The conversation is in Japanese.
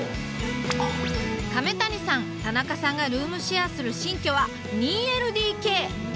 亀谷さん田中さんがルームシェアする新居は２ＬＤＫ。